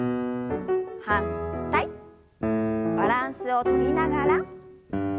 バランスをとりながら。